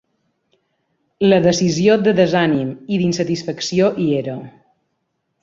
La decisió de desànim i d’insatisfacció hi era.